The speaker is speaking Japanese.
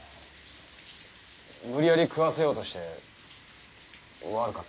無理やり食わせようとして悪かった。